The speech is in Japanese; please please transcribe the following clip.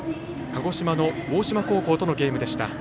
鹿児島の大島高校とのゲーム。